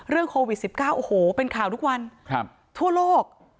เรื่องโควิดสิบเก้าโอ้โหเป็นข่าวทุกวันครับทั่วโลก